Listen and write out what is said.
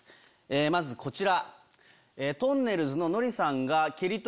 まずこちら。